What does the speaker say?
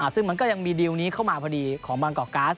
ซึ่งมันก็ยังมีดีลนี้เข้ามาพอดีของบางกอกก๊าซ